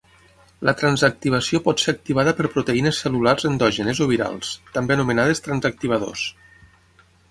La transactivació pot ser activada per proteïnes cel·lulars endògenes o virals, també anomenades transactivadors.